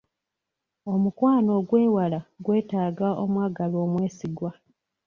Omukwano ogw'ewala gwetaaga omwagalwa omwesigwa.